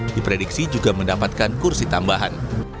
diprediksi juga mendapatkan kursi tambahan